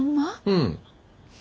うん。